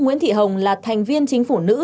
nguyễn thị hồng là thành viên chính phủ nữ